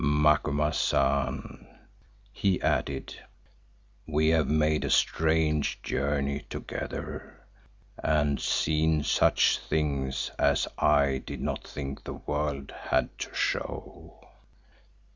"Macumazahn," he added, "we have made a strange journey together and seen such things as I did not think the world had to show.